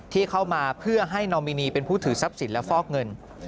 ที่เข้ามาเพื่อให้นอมินีเป็นผู้ถือทรัพย์สินและฟอกเงิน